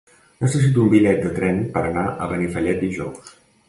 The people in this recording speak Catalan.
Necessito un bitllet de tren per anar a Benifallet dijous.